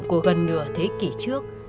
của gần nửa thế kỷ trước